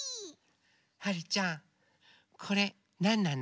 はるちゃんこれなんなの？